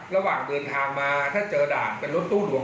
ระหว่างเดินทางมาถ้าเจอด่านเป็นรถตู้หลวง